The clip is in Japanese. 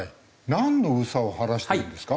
なんの憂さを晴らしてるんですか？